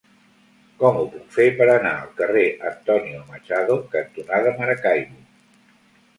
Com ho puc fer per anar al carrer Antonio Machado cantonada Maracaibo?